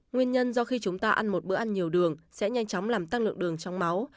nguyên nhân do khi chúng ta ăn một bữa ăn nhiều đường sẽ nhanh chóng làm tăng lượng đường trong máu